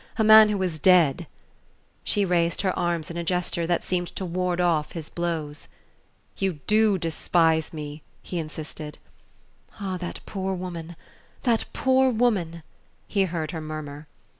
a man who was dead...." She raised her arms in a gesture that seemed to ward off his blows. "You DO despise me!" he insisted. "Ah, that poor woman that poor woman " he heard her murmur.